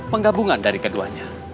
penggabungan dari keduanya